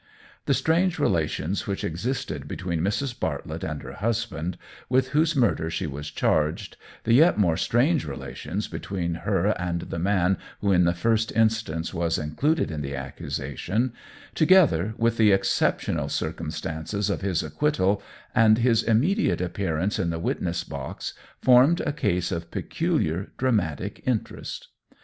The strange relations which existed between Mrs. Bartlett and her husband, with whose murder she was charged, the yet more strange relations between her and the man who in the first instance was included in the accusation, together with the exceptional circumstances of his acquittal, and his immediate appearance in the witness box formed a case of peculiar dramatic interest.